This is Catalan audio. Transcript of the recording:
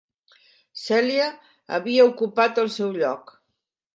Celia havia ocupat el seu lloc.